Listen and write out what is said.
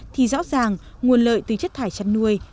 thì rõ ràng nguồn lợi từ chất thải chăn nuôi